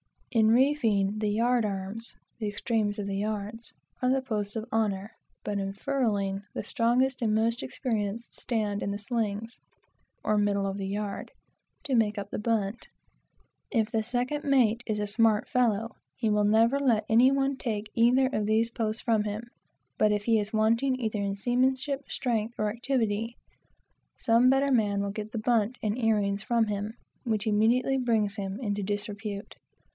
In reefing, the yard arms (the extremes of the yards) are the posts of honor; but in furling, the strongest and most experienced stand in the slings, (or, middle of the yard,) to make up the bunt. If the second mate is a smart fellow, he will never let any one take either of these posts from him; but if he is wanting either in seamanship, strength, or activity, some better man will get the bunt and earings from him; which immediately brings him into disrepute.